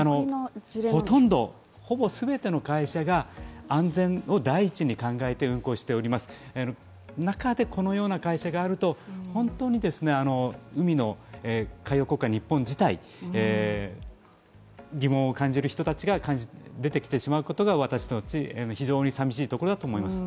ほとんど、ほぼ全ての会社が安全を第一に考えて運航しております、中でこのような会社があると本当に海の、海洋国家日本自体に疑問を感じる人たちが出てきてしまうことが私は非常にさみしいところだと思います。